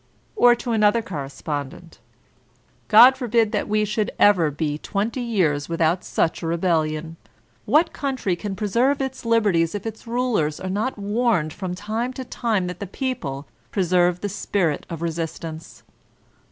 Or to another correspondent: "God forbid that we should ever be twenty years without such a rebellion I .•• What country can preserve its liberties if its rul ers are not warned from time to time that the people preserve the spirit of resistance?